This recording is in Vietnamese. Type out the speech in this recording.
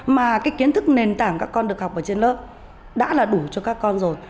mà cái kiến thức nền tảng các con được học ở trên lớp đã là đủ cho các con rồi